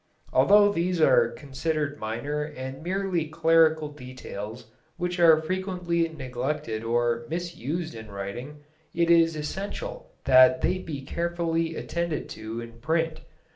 Although these are considered minor and merely clerical details which are frequently neglected or misused in writing, it is essential that they be carefully attended to in print.